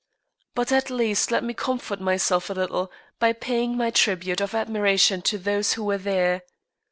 But at least let me comfort myself a little by paying my tribute of admiration to those who were there.